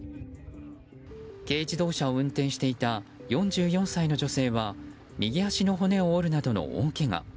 軽自動車を運転していた４４歳の女性は右足の骨を折るなどの大けが。